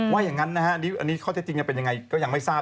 ว่าอย่างนั้นนะฮะอันนี้ข้อเท็จจริงจะเป็นยังไงก็ยังไม่ทราบ